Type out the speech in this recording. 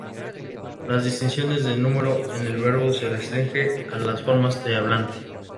Las distinciones de número en el verbo se restringen a las formas de "hablante".